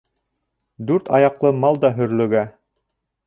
Дүрт аяҡлы мал да һөрлөгә.